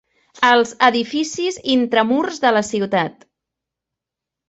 Els edificis intramurs de la ciutat.